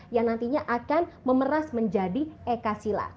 yang nantinya akan memeras menjadi eka sila